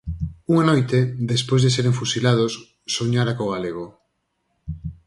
Unha noite, despois de seren fusilados, soñara co galego.